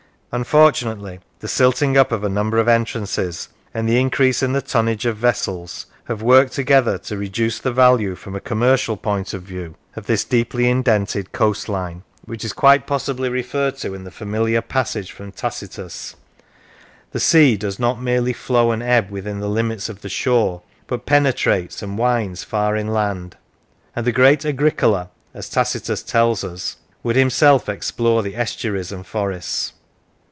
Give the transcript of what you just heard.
Unfortunately, the silting up of a number of entrances, and the increase in the tonnage of vessels, have worked together to reduce the value, from a commercial point of view, of this 23 Lancashire deeply indented coast line, which is quite possibly referred to in the familiar passage from Tacitus :" The sea does not merely flow and ebb within the limits of the shore, but penetrates and winds far inland "; and the great Agricola, as Tacitus tells us, " would himself explore the estuaries and forests."